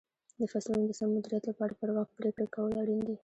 د فصلونو د سم مدیریت لپاره پر وخت پرېکړې کول اړین دي.